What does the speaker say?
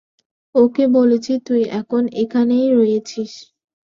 ওকে বলেছি তুই এখন এখানেই রয়েছিস।